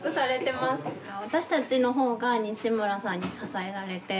私たちの方が西村さんに支えられて。